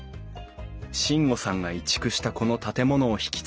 進悟さんが移築したこの建物を引き継ぎ